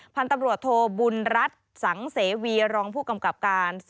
ผ่านตำรวจโทบุญรัตษระงเสวีรองผู้กำกับการ